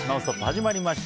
始まりました。